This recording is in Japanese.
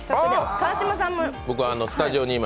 川島さんも。